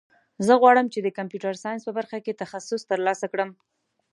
زه غواړم چې د کمپیوټر ساینس په برخه کې تخصص ترلاسه کړم